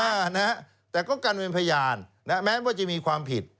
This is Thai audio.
นะฮะแต่ก็กันเป็นพยานนะแม้ว่าจะมีความผิด